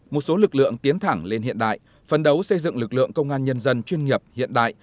một số lực lượng tiến thẳng lên hiện đại phân đấu xây dựng lực lượng công an nhân dân chuyên nghiệp hiện đại